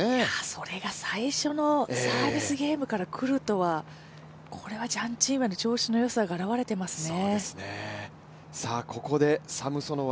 それが最初のサービスゲームからくるとは、これはジャン・チンウェンの調子の良さが現れてますね。